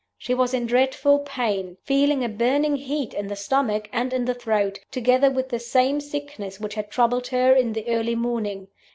She was in dreadful pain; feeling a burning heat in the stomach and in the throat, together with the same sickness which had troubled her in the early morning.